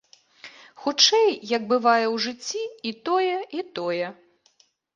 Хутчэй, як бывае ў жыцці, і тое, і тое.